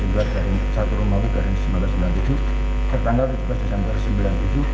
dalam perjalanan ini